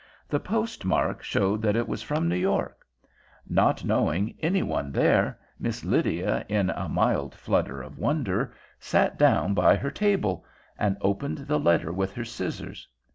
The postmark showed that it was from New York. Not knowing any one there, Miss Lydia, in a mild flutter of wonder, sat down by her table and opened the letter with her scissors.